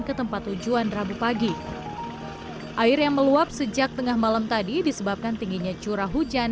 ke tempat tujuan rabu pagi air yang meluap sejak tengah malam tadi disebabkan tingginya curah hujan